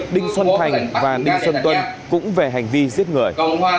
đinh xuân thành và đinh xuân tuân cũng về hành vi giết người